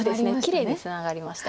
きれいにツナがりました。